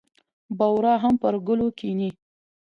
بورا هم پر ګلو کېني.